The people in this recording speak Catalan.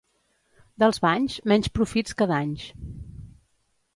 Dels banys, menys profits que danys.